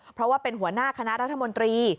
เพราะว่าเป็นหัวหน้าคณะรัฐมนตรี